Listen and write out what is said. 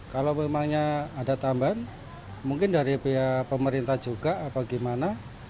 kalau memangnya ada tambahan mungkin dari pihak pemerintah juga atau gimana